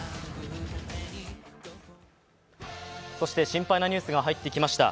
心配なニュースが入ってきました。